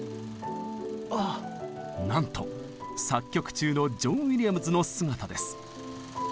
なんと作曲中のジョン・ウィリアムズの姿です。